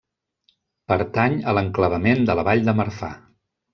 Pertany a l'enclavament de la vall de Marfà.